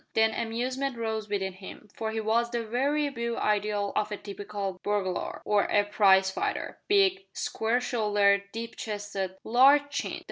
Then amusement rose within him, for he was the very beau ideal of a typical burglar, or a prize fighter: big, square shouldered, deep chested, large chinned.